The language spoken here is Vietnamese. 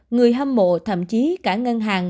người hâm mộ thậm chí cả ngân hàng